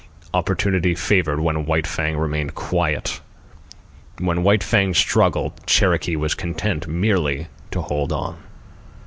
Opportunity favoured when White Fang remained quiet. When White Fang struggled, Cherokee was content merely to hold on.